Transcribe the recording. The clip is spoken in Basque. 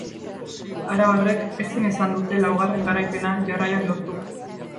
Arabarrek ezin izan dute laugarren garaipena jarraian lortu.